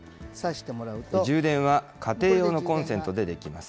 充電は家庭用のコンセントで出来ます。